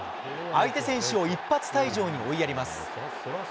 相手選手を一発退場に追いやります。